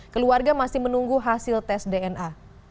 keluarga masih menunggu hasil tes dna